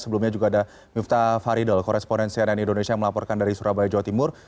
sebelumnya juga ada miftah faridol koresponen cnn indonesia yang melaporkan dari surabaya jawa timur